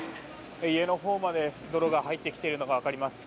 家のほうまで、泥が入ってきているのが分かります。